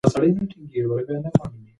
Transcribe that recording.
دا کتاب د ماشومانو د ذهن لپاره ډېر ګټور دی.